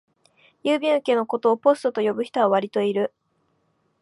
郵便受けのことをポストと呼ぶ人はわりといる